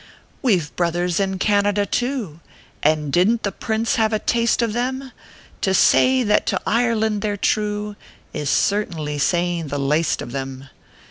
""We ve brothers in Canada, too (And didn t the Prince have a taste of them ?) To say that to Ireland they re true Is certainly saying the laste of them.